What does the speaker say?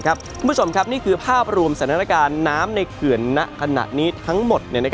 คุณผู้ชมครับนี่คือภาพรวมสถานการณ์น้ำในเขื่อนณขณะนี้ทั้งหมด